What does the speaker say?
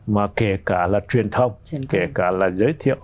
mà kể cả là truyền thông kể cả là giới thiệu